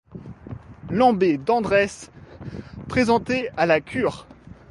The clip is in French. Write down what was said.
L'abbé d'Andres présentait à la cure.